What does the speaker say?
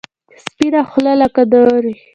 سپینه خوله لکه د ورې.